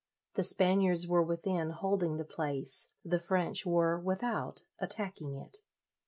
The Spaniards were within, holding the place; the French were without, attacking it.